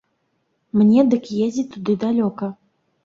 Мне дык ездзіць туды далёка.